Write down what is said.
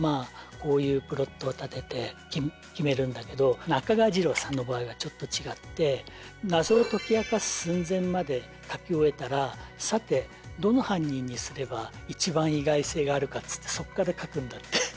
こういうプロットを立てて決めるんだけど赤川次郎さんの場合はちょっと違って謎を解き明かす寸前まで書き終えたらさてどの犯人にすれば一番意外性があるかっつってそっから書くんだって。